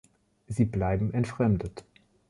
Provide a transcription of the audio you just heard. Sie bleiben entfremdet.